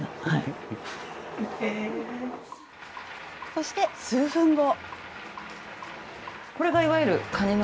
そして、数分後。